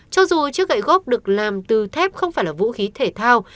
cho dù chiếc gậy gốc được làm từ thép không phải là vũ khí thể thao